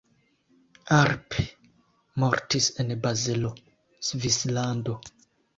Arp mortis en Bazelo, Svislando.